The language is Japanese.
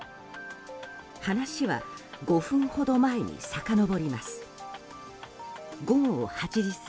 話は５分ほど前にさかのぼります。